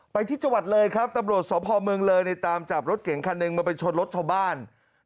ไปที่จังหวัดเลยครับตำรวจสพเมืองเลยในตามจับรถเก่งคันหนึ่งมาไปชนรถชาวบ้าน